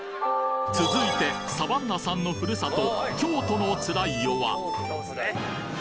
続いてサバンナさんのふるさと